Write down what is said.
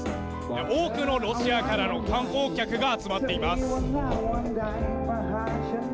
多くのロシアからの観光客が集まっています。